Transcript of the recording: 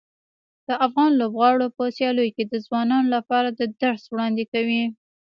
د افغان لوبغاړو په سیالیو کې د ځوانانو لپاره د درس وړاندې کوي.